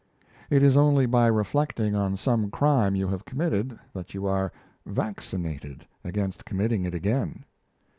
It is only by reflecting on some crime you have committed, that you are "vaccinated" against committing it again.